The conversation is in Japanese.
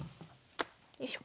よいしょ。